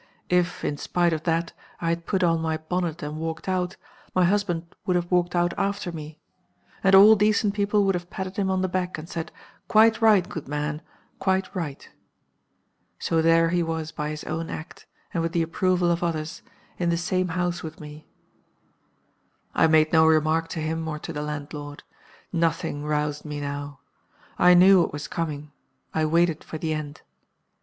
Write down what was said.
If, in spite of that, I had put on my bonnet and walked out, my husband would have walked out after me. And all decent people would have patted him on the back, and said, 'Quite right, good man quite right.' "So there he was by his own act, and with the approval of others, in the same house with me. "I made no remark to him or to the landlord. Nothing roused me now. I knew what was coming; I waited for the end.